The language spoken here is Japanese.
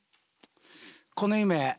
この夢